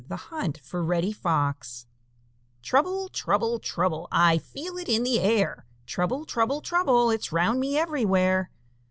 The Hunt for Reddy Fox "Trouble, trouble, trouble, I feel it in the air; Trouble, trouble, trouble, it's round me everywhere."